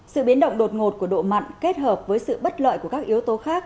sự biến động đột ngột của độ mặn kết hợp với sự bất lợi của các yếu tố khác